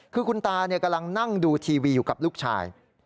คือคุณตากำลังนั่งดูทีวีอยู่กับลูกชาย